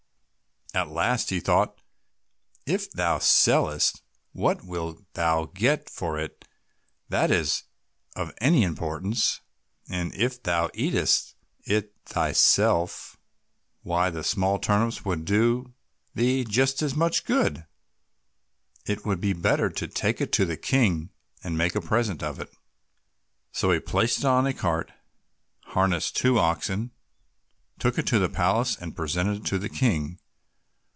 At last he thought, "If thou sellest it, what wilt thou get for it that is of any importance, and if thou eatest it thyself, why, the small turnips would do thee just as much good; it would be better to take it to the King, and make him a present of it." So he placed it on a cart, harnessed two oxen, took it to the palace, and presented it to the King.